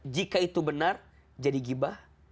jika itu benar jadi gibah